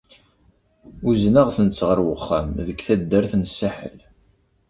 Uzneɣ-tent ɣer uxxam, deg taddart n Saḥel.